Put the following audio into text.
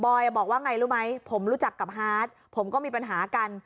บอกว่าไงรู้ไหมผมรู้จักกับฮาร์ดผมก็มีปัญหากัน